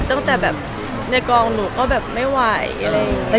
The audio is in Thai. ตั้งแต่แบบในกองหนูก็แบบไม่ไหว